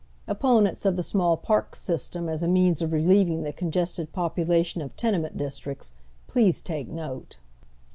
Opponents of the small parks system as a means of relieving the congested popu lation of tenement districts, please take note.